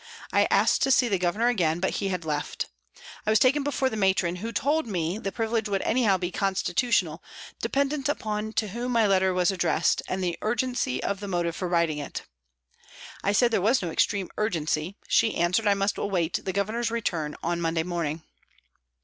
I asked to see the Governor again, but he had left. I was taken before the Matron, who told me the privilege would anyhow be conditional, dependent upon to whom my letter was addressed and the urgency of the motive for writing it. I said there was no extreme urgency ; she answered I must await the Governor's return on Monday morning.